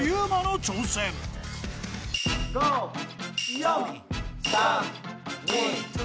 ５４３２１。